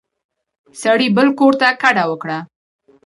سړي بل کور ته کډه وکړه.